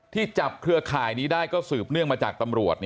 จับเครือข่ายนี้ได้ก็สืบเนื่องมาจากตำรวจ